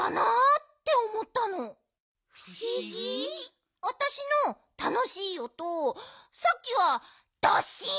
ふしぎ？あたしのたのしいおとさっきは「ドッシン！」